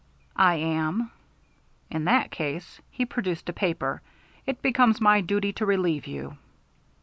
"I am." "In that case" he produced a paper "it becomes my duty to relieve you."